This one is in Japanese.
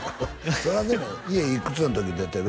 それはでも家いくつの時出てる？